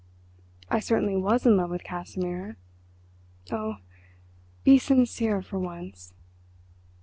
I certainly was in love with Casimir.... Oh, be sincere for once."